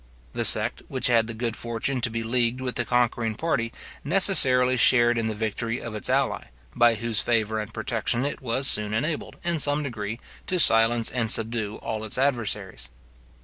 The sect which had the good fortune to be leagued with the conquering party necessarily shared in the victory of its ally, by whose favour and protection it was soon enabled, in some degree, to silence and subdue all its adversaries.